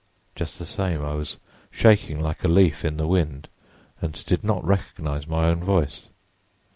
"Just the same, I was shaking like a leaf in the wind and did not recognize my own voice.